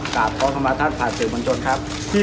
กราบขอเข้ามาท่านผ่านสื่อมวลชนครับ